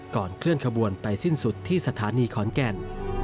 เคลื่อนขบวนไปสิ้นสุดที่สถานีขอนแก่น